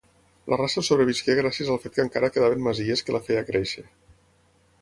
La raça sobrevisqué gràcies al fet que encara quedaven masies que la feia créixer.